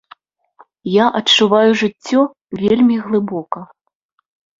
Я адчуваю жыццё вельмі глыбока.